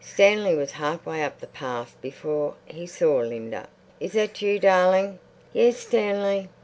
Stanley was half way up the path before he saw Linda. "Is that you, darling?" "Yes, Stanley."